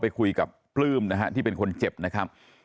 ไปคุยกับปลื้มนะฮะที่เป็นคนเจ็บนะครับ